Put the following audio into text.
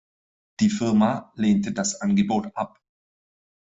Die Firma lehnte das Angebot ab.